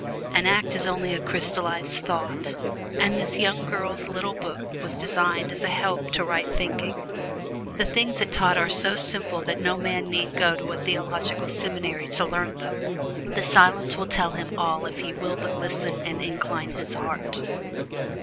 An act is only a crystallized thought; and this young girl's little book was designed as a help to right thinking. The things it taught are so simple that no man need go to a theological seminary to learn them: the Silence will tell him all if he will but listen and incline his heart.